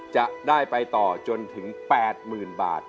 จะได้ไปต่อจนถึง๘หมื่นบาท